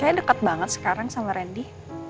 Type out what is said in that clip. saya deket banget sekarang sama randy